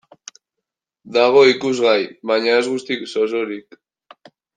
Dago ikusgai, baina ez guztiz osorik.